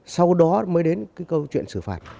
sau đó mới đến cái câu chuyện xử phạt